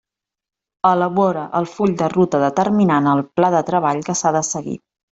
Elabora el full de ruta determinant el pla de treball que s'ha de seguir.